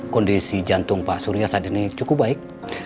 kondisi jantung pak surya saat ini cukup baik